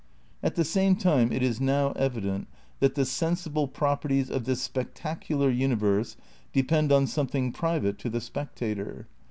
At the same time it is now evident that the sensible properties of this "spectacular universe" depend on something private to the spectator.